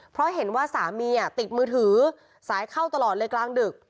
เพราะเห็นว่าสามีติดมือถือสายเข้าตลอดเลยกลางดึก